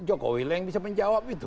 jokowi lah yang bisa menjawab itu